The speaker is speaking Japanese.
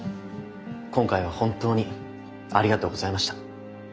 今回は本当にありがとうございました。